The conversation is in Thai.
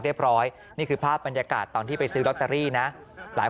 นี่คือภาพบรรยากาศตอนที่ไปซื้อลอตเตอรี่นะหลาย